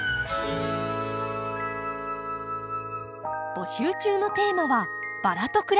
募集中のテーマは「バラと暮らしてます！」。